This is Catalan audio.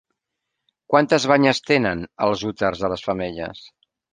Quantes banyes tenen els úters de les femelles?